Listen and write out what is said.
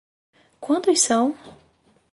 Quantos são?